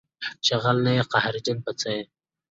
چې غل نه یې قهرجن په څه یې